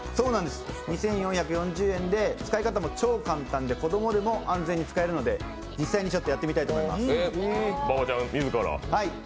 ２４４０円で使い方も超簡単で子供でも安全に使えるので実際にやってみたいと思います。